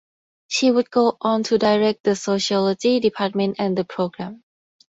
She would go on to direct the sociology department and the program.